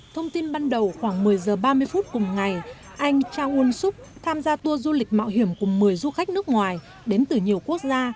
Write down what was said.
thông tin ban đầu khoảng một mươi h ba mươi phút cùng ngày anh cha won suk tham gia tour du lịch mạo hiểm của một mươi du khách nước ngoài đến từ nhiều quốc gia